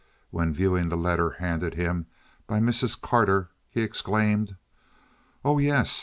When viewing the letter handed him by Mrs. Carter he exclaimed: "Oh yes.